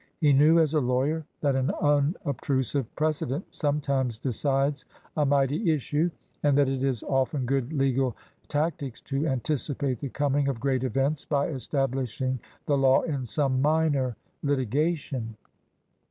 He knew, as a lawyer, that an unobtrusive precedent sometimes decides a mighty issue, and that it is often good legal tac tics to anticipate the coming of great events by establishing the law in some minor litigation.